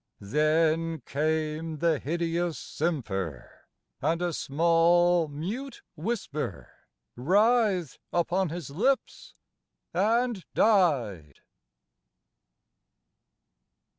" Then came the hideous simper, and a small Mute whisper writhed upon his lips and died.